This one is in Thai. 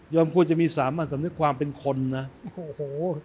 โยมควรจะมีสามอันสำเร็จความเป็นคนนะโอ้โห